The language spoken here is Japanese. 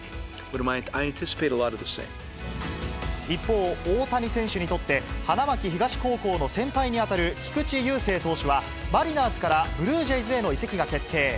一方、大谷選手にとって、花巻東高校の先輩に当たる菊池雄星投手は、マリナーズからブルージェイズへの移籍が決定。